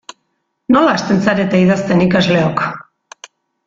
Nola hasten zarete idazten ikasleok?